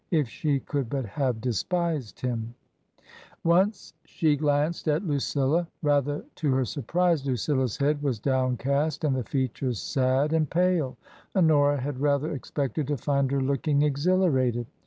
If she could but have despised him ! Once she glanced at Lucilla. Rather to her surprise Lucilla's head was downcast and the features sad and pale. Honora had rather expected to find her looking exhilarated.